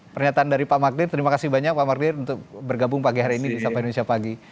pernyataan dari pak magdir terima kasih banyak pak mardir untuk bergabung pagi hari ini di sapa indonesia pagi